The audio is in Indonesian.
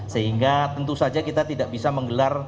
sehingga tentu saja kita tidak bisa menggelar